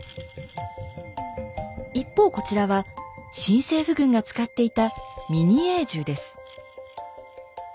一方こちらは新政府軍が使っていたミニエー銃です。